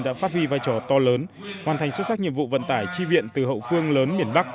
đã phát huy vai trò to lớn hoàn thành xuất sắc nhiệm vụ vận tải chi viện từ hậu phương lớn miền bắc